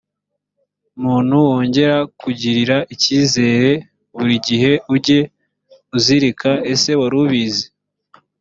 muntu wongera kugirira icyizere buri gihe ujye uzirikaese wari ubizi